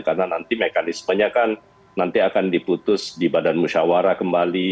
karena nanti mekanismenya kan nanti akan diputus di badan musyawarah kembali